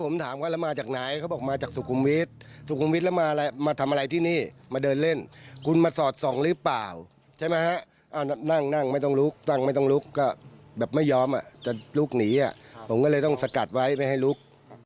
ผมถามว่าแล้วมาจากไหนเขาบอกมาจากสุขุมวิทย์สุขุมวิทย์แล้วมาทำอะไรที่นี่มาเดินเล่นคุณมาสอดส่องหรือเปล่าใช่ไหมฮะนั่งนั่งไม่ต้องลุกนั่งไม่ต้องลุกก็แบบไม่ยอมจะลุกหนีผมก็เลยต้องสกัดไว้ไม่ให้ลุก